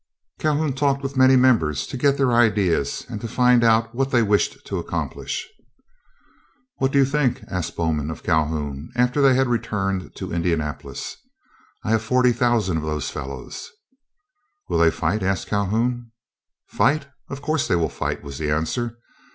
Calhoun talked with many of the members to get their ideas and to find out what they wished to accomplish. "What do you think?" asked Bowman of Calhoun, after they had returned to Indianapolis. "I have forty thousand of those fellows." "Will they fight?" asked Calhoun. "Fight? Of course they will fight," was the answer.